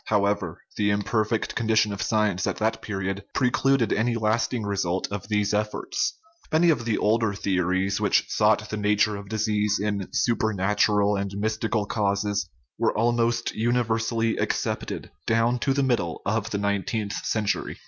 However, the imper fect condition of science at that period precluded any lasting results of these efforts. Many of the older theories, which sought the nature of disease in super natural and mystical causes, were almost universally accepted down to the middle of the nineteenth century.